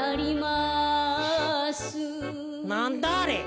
なんだあれ？